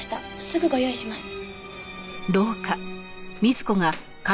すぐご用意します。